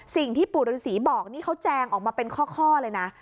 สิ่งที่ปู่ฤษีบอกนี่เขาแจงออกมาเป็นข้อเลยนะ